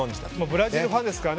ブラジルファンですから。